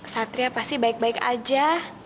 satria pasti baik baik aja